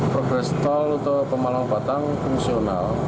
progres tol untuk pemalang batang fungsional